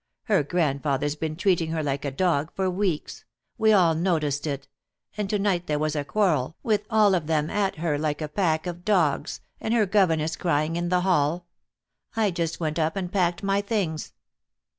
Her grandfather's been treating her like a dog for weeks. We all noticed it. And to night there was a quarrel, with all of them at her like a pack of dogs, and her governess crying in the hall. I just went up and packed my things."